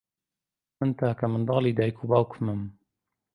من تاکە منداڵی دایک و باوکمم.